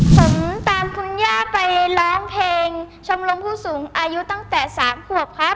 ผมตามคุณย่าไปร้องเพลงชมรมผู้สูงอายุตั้งแต่๓ขวบครับ